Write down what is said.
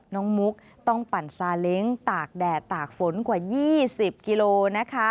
มุกต้องปั่นซาเล้งตากแดดตากฝนกว่า๒๐กิโลนะคะ